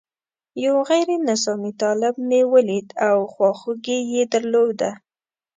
یو غیر نظامي طالب مې ولید او خواخوږي یې درلوده.